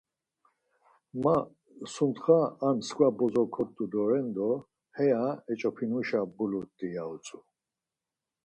Ma sontxa ar mskva bozo kort̆u doren do heya eç̌opinuşa bulut̆i ya utzu.